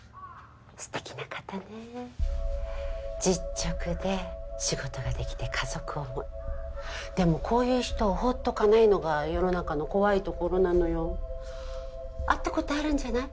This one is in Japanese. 素敵な方ねえ実直で仕事ができて家族思いでもこういう人を放っとかないのが世の中の怖いところなのよ会ったことあるんじゃない？